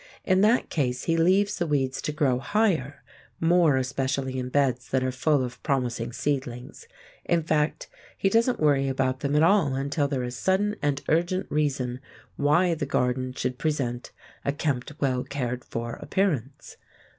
In that case, he leaves the weeds to grow higher, more especially in beds that are full of promising seedlings; in fact, he doesn't worry about them at all until there is sudden and urgent reason why the garden should present a kempt, well cared for appearance.